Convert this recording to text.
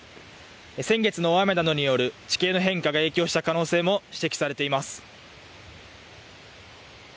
先月の大雨などによる地形の変化が影響した可能性も指摘されています。